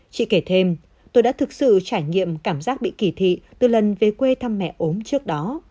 chị kể thêm tôi đã thực sự trải nghiệm cảm giác bị kỳ thị từ lần về quê thăm mẹ ốm trước đó